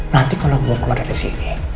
nanti kalo gua keluar dari sini